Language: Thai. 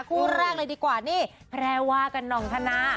คู่แรกเลยดีกว่านี่แพรวากับนองธนา